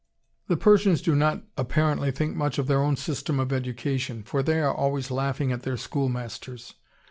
The Persians do not apparently think much of their own system of education, for they are always laughing at their schoolmasters.